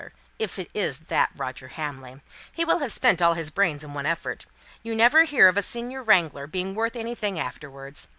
Even the senior wrangler if it is that Roger Hamley he will have spent all his brains in one effort. You never hear of a senior wrangler being worth anything afterwards.